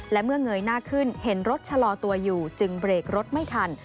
และเมื่อเงยหน้าขึ้นเห็นรถชะลอตัวอยู่จึงเบรกรถไม่ทัน